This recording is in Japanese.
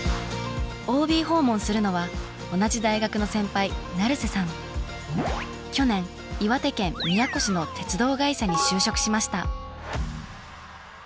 ＯＢ訪問するのは同じ大学の去年岩手県宮古市の鉄道会社に就職しました。